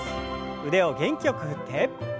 腕を元気よく振って。